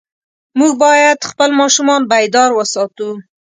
موږ باید خپل ماشومان بیدار وساتو.